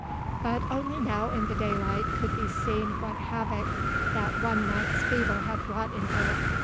But only now in the daylight could be seen what havoc that one night's fever had wrought in her.